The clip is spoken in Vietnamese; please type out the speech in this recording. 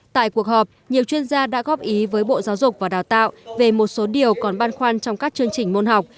tại cuộc họp nhiều chuyên gia đã góp ý với bộ giáo dục và đào tạo về một số điều còn ban khoan trong các chương trình môn học